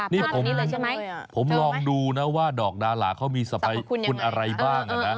นี่ผมลองดูนะว่าดอกดาราเขามีสะพายคุณอะไรบ้างนะ